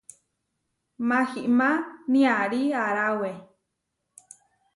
Mahimá niarí aráwe.